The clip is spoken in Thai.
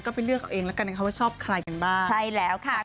แล้วกันนะครับว่าชอบใครกันบ้าง